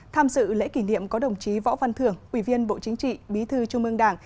tham dự lễ kỷ niệm có đồng chí võ văn thưởng ubnd bí thư trung mương đảng